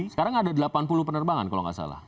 sekarang ada delapan puluh penerbangan kalau nggak salah